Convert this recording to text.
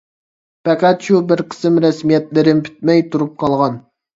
پەقەت شۇ بىر قىسىم رەسمىيەتلىرىم پۈتمەي تۇرۇپ قالغان.